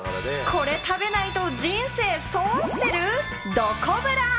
これ食べないと人生損してる？！